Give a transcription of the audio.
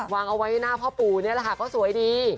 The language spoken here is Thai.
วางไว้หน้าพ่อปู่ก็สวยดี